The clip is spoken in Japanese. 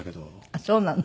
あっそうなの。